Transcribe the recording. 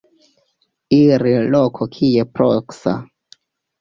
Iri loko kie proksa.